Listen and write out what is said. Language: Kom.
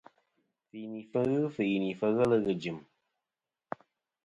Fɨyinifɨ ghɨ fɨyinìfɨ ghelɨ ghɨ jɨ̀m.